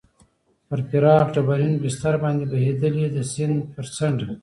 پر پراخ ډبرین بستر باندې بهېدلې، د سیند پر څنډه.